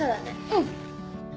うん